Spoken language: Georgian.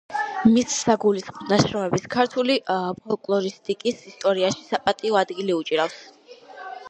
მის საგულისხმო ნაშრომებს ქართული ფოლკლორისტიკის ისტორიაში საპატიო ადგილი უჭირავს.